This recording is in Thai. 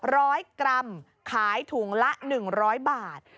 ร้อยกรัมขายถุงละหนึ่งร้อยบาท